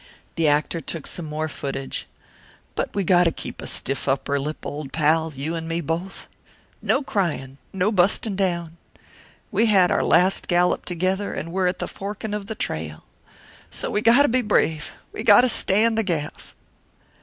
The actor took some more footage. "But we got to keep a stiff upper lip, old pal, you and me both. No cryin', no bustin' down. We had our last gallop together, an' we're at the forkin' of th' trail. So we got to be brave we got to stand the gaff."